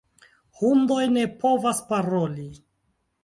Hundoj ne povas paroli.